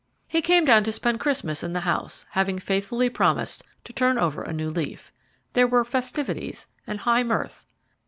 He came down to spend Christmas in the house, having faithfully promised to turn over a new leaf. There were festivities and high mirth.